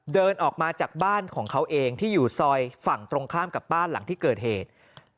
เดินออกมาจากบ้านของเขาเองที่อยู่ซอยฝั่งตรงข้ามกับบ้านหลังที่เกิดเหตุ